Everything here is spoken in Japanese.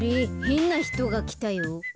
へんなひとがきたよ。